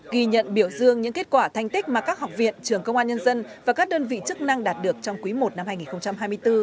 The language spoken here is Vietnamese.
ghi nhận biểu dương những kết quả thành tích mà các học viện trường công an nhân dân và các đơn vị chức năng đạt được trong quý i năm hai nghìn hai mươi bốn